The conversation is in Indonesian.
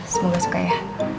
semoga suka ya